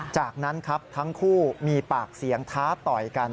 จากนั้นครับทั้งคู่มีปากเสียงท้าต่อยกัน